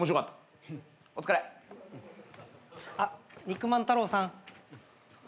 あっ肉マン☆太郎さん。